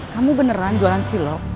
kamu beneran jualan cilok